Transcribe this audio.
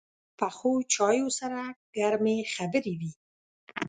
پخو چایو سره ګرمې خبرې وي